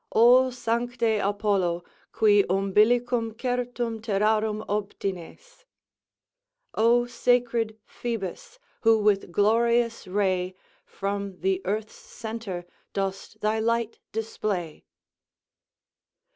O sancte Apollo, qui umbilicum certum terrarum obtines! "O sacred Phoebus, who with glorious ray, From the earth's centre, dost thy light display."